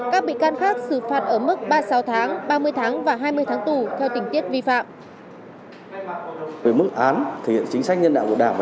các bị can khác xử phạt ở mức ba mươi sáu tháng ba mươi tháng và hai mươi tháng tù theo tình tiết vi phạm